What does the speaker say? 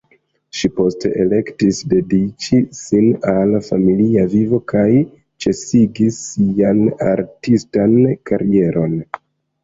Ŝi poste elektis dediĉi sin al familia vivo kaj ĉesigis sian artistan karieron.